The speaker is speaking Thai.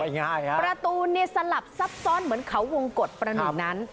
ไม่ง่ายครับประตูเนี่ยสลับซับซ้อนเหมือนเขาวงกฎประหนุนั้น